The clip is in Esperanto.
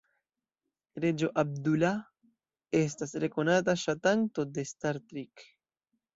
Reĝo Abdullah estas rekonata ŝatanto de "Star Trek".